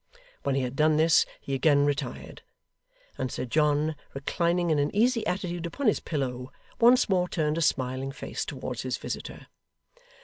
When he had done this, he again retired; and Sir John, reclining in an easy attitude upon his pillow, once more turned a smiling face towards his visitor.